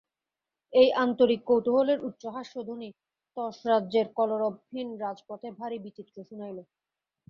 এই আন্তরিক কৌতুকের উচ্চ হাস্যধ্বনি তাসরাজ্যের কলরবহীন রাজপথে ভারি বিচিত্র শুনাইল।